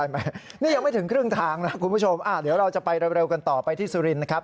ไม่นี่ยังไม่ถึงครึ่งทางนะคุณผู้ชมเดี๋ยวเราจะไปเร็วกันต่อไปที่สุรินทร์นะครับ